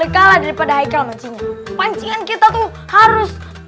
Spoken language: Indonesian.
yaudah ikut aku